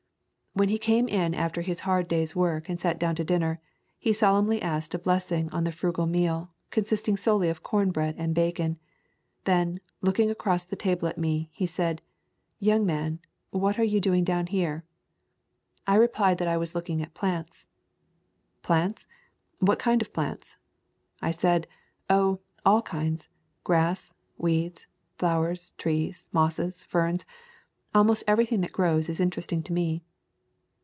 When he came in after his hard day's work and sat down to dinner, he solemnly asked a blessing on the frugal meal, consisting solely of corn bread and bacon. Then, looking across the table at me, he said, "Young man, what are you doing down here?" I replied that I was looking at plants. "Plants? What kind of plants?" I said, "Oh, all kinds; grass, weeds, flowers, trees, mosses, ferns, — almost every thing that grows is interesting to me."